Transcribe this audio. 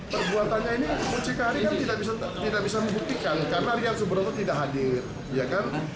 perbuatannya ini bunci kari kan tidak bisa membuktikan karena rian subroto tidak hadir